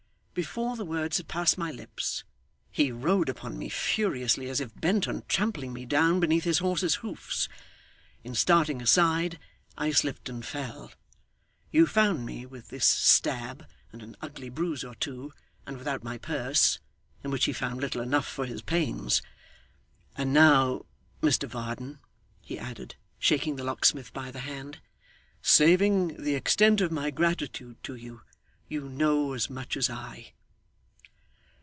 Before the words had passed my lips, he rode upon me furiously, as if bent on trampling me down beneath his horse's hoofs. In starting aside, I slipped and fell. You found me with this stab and an ugly bruise or two, and without my purse in which he found little enough for his pains. And now, Mr Varden,' he added, shaking the locksmith by the hand, 'saving the extent of my gratitude to you, you know as much as I.